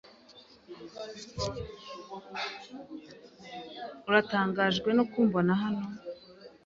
Uratangajwe no kumbona hano?